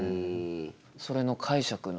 それの解釈の。